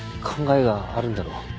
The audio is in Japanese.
考えがあるんだろう。